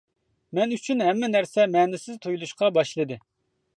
مەن ئۈچۈن ھەممە نەرسە مەنىسىز تۇيۇلۇشقا باشلىدى.